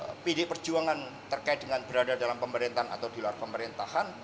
karena pdi perjuangan terkait dengan berada dalam pemerintahan atau di luar pemerintahan